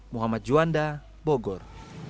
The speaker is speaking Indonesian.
muhammad juanda bogor